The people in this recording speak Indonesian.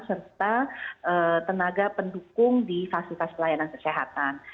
serta tenaga pendukung di fasilitas pelayanan kesehatan